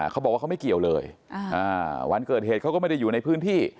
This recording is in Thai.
เขาบอกว่าเขาไม่เกี่ยวเลยวันเกิดเหตุเขาก็ไม่ได้อยู่ในพื้นที่